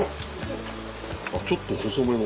あっちょっと細めの。